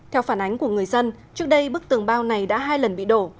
theo phản ánh của người dân trước đây bức tường bao này đã hai lần bị đổ